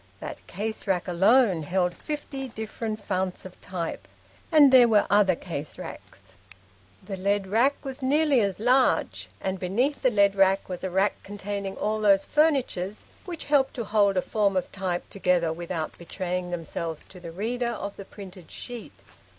That case rack alone held fifty different founts of type, and there were other case racks. The lead rack was nearly as large, and beneath the lead rack was a rack containing all those "furnitures" which help to hold a forme of type together without betraying themselves to the reader of the printed sheet.